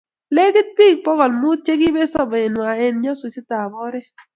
legit biik bokol muut chekiibeet sobetnwa eng nyasutiet ab oret